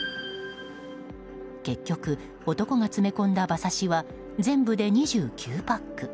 結局、男が詰め込んだ馬刺しは全部で２９パック。